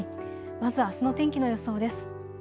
まずあすの天気の予想です。